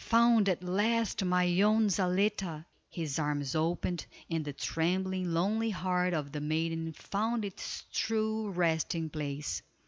"Found at last, my own Zaletta." His arms opened, and the trembling, lonely heart of the maiden found its true resting place.